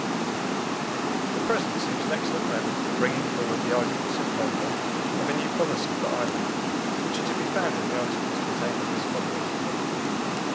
The present seems an excellent moment for bringing forward the arguments in favour of a new policy for Ireland, which are to be found in the articles contained in this volume.